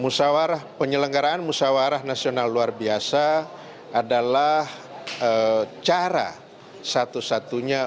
maka disepakati bahwa penyelenggaraan musawarah nasional luar biasa adalah cara satu satunya